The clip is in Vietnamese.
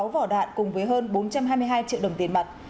sáu vỏ đạn cùng với hơn bốn trăm hai mươi hai triệu đồng tiền mặt